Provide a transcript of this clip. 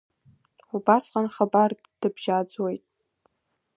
Убасҟан хабарда дыбжьаӡуеит.